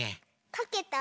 かけた？